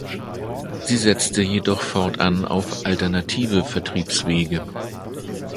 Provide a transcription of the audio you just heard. Sie setzte jedoch fortan auf alternative Vertriebswege.